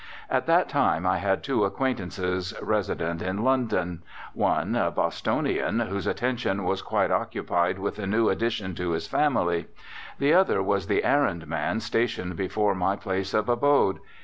At that time I had two acquaintances resident in London. One, a Bostonian, whose attention was quite occupied with a new addition to his family; the other was the errand man stationed before my place of abode.